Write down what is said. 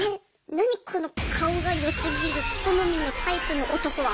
なにこの顔が良すぎる好みのタイプの男は！